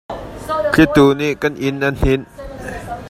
Thlitu nih kan inn a hnih.